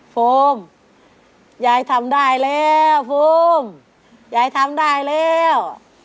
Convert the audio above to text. โฟมยายทำได้แล้วโฟมยายทำได้แล้ว